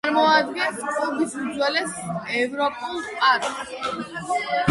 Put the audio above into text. წარმოადგენს კუბის უძველეს ეროვნულ პარკს.